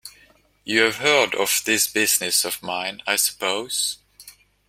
You've heard of this business of mine, I suppose?